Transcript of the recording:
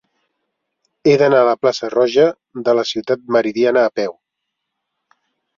He d'anar a la plaça Roja de la Ciutat Meridiana a peu.